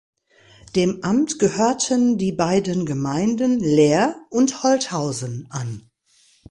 Dem Amt gehörten die beiden Gemeinden Laer und Holthausen an.